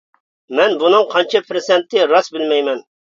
مەن بۇنىڭ قانچە پىرسەنتى راست بىلمەيمەن.